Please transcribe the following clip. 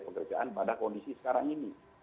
pekerjaan pada kondisi sekarang ini